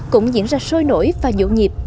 cũng diễn ra sôi nổi và dỗ nhịp